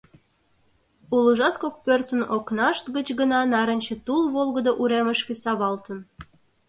Улыжат кок пӧртын окнашт гыч гына нарынче тул волгыдо уремышке савалтын.